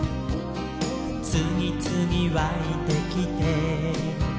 「つぎつぎわいてきて」